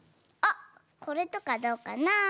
あっこれとかどうかな？